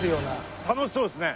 楽しそうですね。